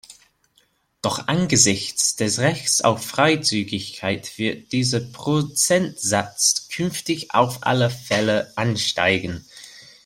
Doch angesichts des Rechts auf Freizügigkeit wird dieser Prozentsatz künftig auf alle Fälle ansteigen.